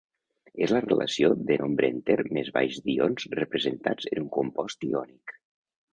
És la relació de nombre enter més baix d'ions representats en un compost iònic.